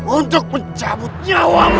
untuk mencabut nyawamu